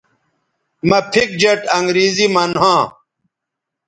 مہ پِھک جیٹ انگریزی من ھواں